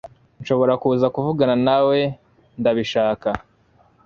Nshobora kuza kuvugana nawe Ndabishaka